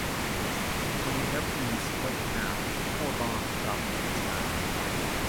When the airplane split in half, four bombs dropped from the sky.